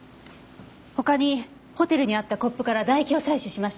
他にホテルにあったコップから唾液を採取しました。